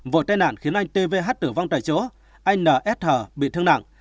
vụ tai nạn khiến anh t v h tử vong tại chỗ anh n s h bị thương nặng